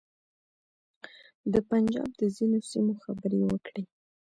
د پنجاب د ځینو سیمو خبرې وکړې.